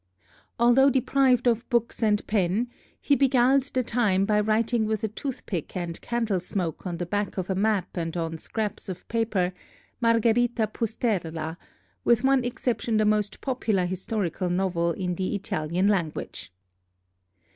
Although deprived of books and pen, he beguiled the time by writing with a toothpick and candle smoke on the back of a map and on scraps of paper, 'Margherita Pusteria,' with one exception the most popular historical novel in the Italian language.